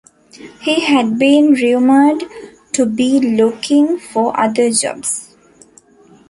He had been rumoured to be looking for other jobs.